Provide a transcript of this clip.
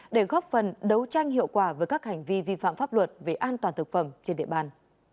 để góp phần đấu tranh hiệu quả với các hành vi vi phạm pháp luật về an toàn thực phẩm trên địa bàn